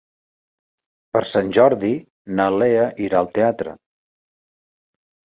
Per Sant Jordi na Lea irà al teatre.